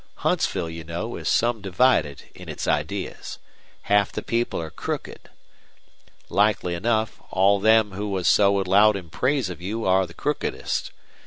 Huntsville, you know, is some divided in its ideas. Half the people are crooked. Likely enough, all them who was so loud in praise of you are the crookedest.